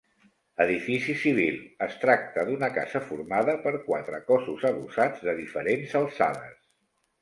Edifici civil; es tracta d'una casa formada per quatre cossos adossats de diferents alçades.